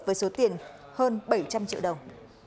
với số tiền hơn bảy trăm linh triệu đồng